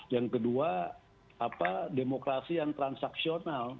yang kedua demokrasi yang transaksional